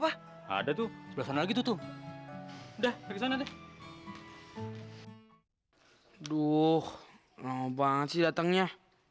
pak ada tuh belakang lagi tutup udah ke sana deh duh mau banget sih datangnya